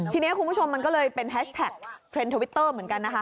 ทีนี้คุณผู้ชมมันก็เลยเป็นแฮชแท็กเทรนด์ทวิตเตอร์เหมือนกันนะคะ